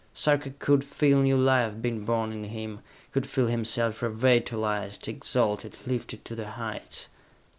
Sarka could feel new life being borne in him, could feel himself revitalized, exalted, lifted to the heights.